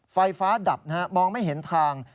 ไฟฟ้าดับมองไม่เห็นทาง